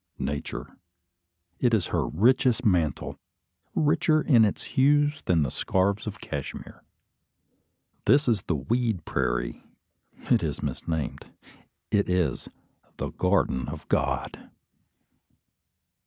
Nature. It is her richest mantle, richer in its hues than the scarfs of Cashmere. This is the "weed prairie." It is misnamed. It is "the garden of God."